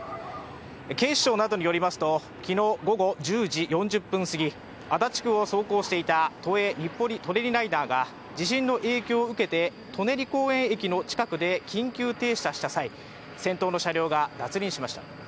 警視庁などによりますと、昨日午後１０時４０分すぎ、足立区を走行していた都営日暮里・舎人ライナーが地震の影響を受けて舎人公園駅の近くで緊急停車した際先頭の車両が脱輪しました。